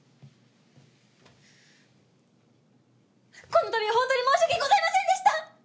この度は本当に申し訳ございませんでした！